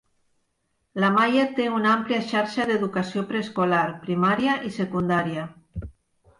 La Maia té una àmplia xarxa d'educació preescolar, primària i secundària.